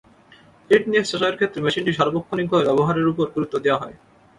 Fitness যাচাইয়ের ক্ষেত্র মেশিনটি সার্বক্ষণিকভাবে ব্যবহারের ওপর গুরুত্ব দেওয়া হয়।